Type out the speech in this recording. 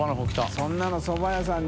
そんなのそば屋さんに。